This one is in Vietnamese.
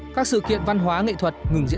các sự kiện văn hóa nghệ thuật ngừng diễn